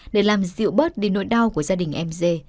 để làm dịu bớt đi nỗi đau của gia đình em dê